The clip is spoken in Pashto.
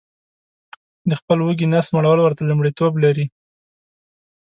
د خپل وږي نس مړول ورته لمړیتوب لري